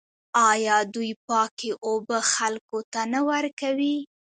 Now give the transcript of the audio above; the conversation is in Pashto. آیا دوی پاکې اوبه خلکو ته نه ورکوي؟